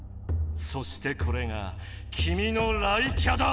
そしてこれがきみの雷キャだ！